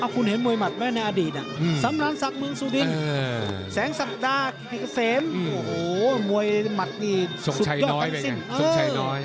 คุณเห็นมวยมัดไหมในอดีตสำราญศักดิ์เมืองซูดินแสงสัตว์ด้าเกษมโอ้โหมวยมัดนี่สุดยอดกันสิสงชายน้อย